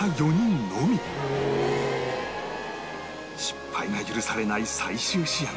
失敗が許されない最終仕上げ